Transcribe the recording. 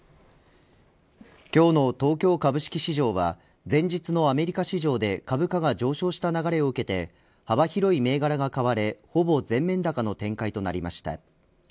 今日の東京株式市場は前日のアメリカ市場で株価が上昇した流れを受けて幅広い銘柄が買われほぼ全面高の展開となりました。